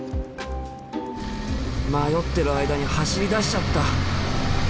迷ってる間に走りだしちゃった！